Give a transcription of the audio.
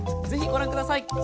ぜひご覧ください。